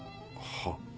はっ？